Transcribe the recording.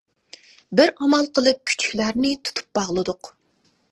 بىر ئامال قىلىپ كۈچۈكلەرنى تۇتۇپ باغلىدۇق.